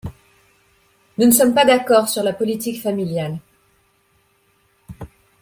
Nous ne sommes pas d’accord sur la politique familiale.